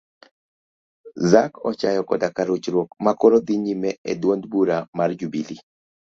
Zac ochayo koda ka rochruok makoro dhi nyime e duond bura mar jubilee